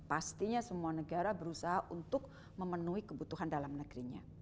pastinya semua negara berusaha untuk memenuhi kebutuhan dalam negerinya